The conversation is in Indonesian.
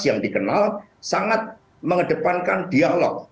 yang dikenal sangat mengedepankan dialog